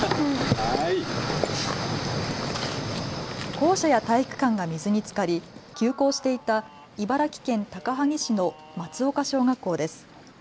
校舎や体育館が水につかり休校していた茨城県高萩市の松岡小学校です。